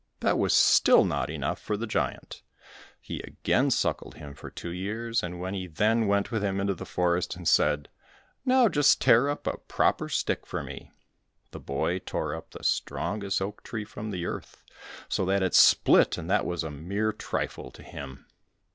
That was still not enough for the giant; he again suckled him for two years, and when he then went with him into the forest and said, "Now just tear up a proper stick for me," the boy tore up the strongest oak tree from the earth, so that it split, and that was a mere trifle to him.